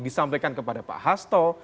disampaikan kepada pak hasto